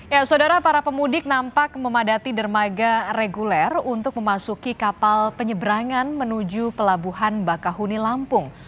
ya saudara para pemudik nampak memadati dermaga reguler untuk memasuki kapal penyeberangan menuju pelabuhan bakahuni lampung